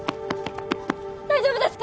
大丈夫ですか！？